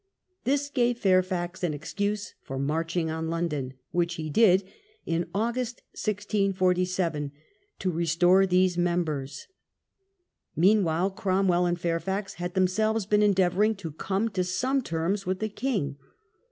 This gave Fairfax an excuse for marching on London, which he did in August, 1647, to restore these The march members. Meanwhile Cromwell and Fairfax <>» London, had themselves been endeavouring to come to some terms with the king.